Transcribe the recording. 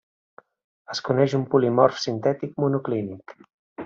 Es coneix un polimorf sintètic monoclínic.